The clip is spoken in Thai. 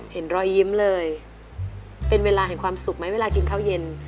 เห็นรอยยิ้มเลยเป็นเวลาแห่งความสุขไหมเวลากินข้าวเย็น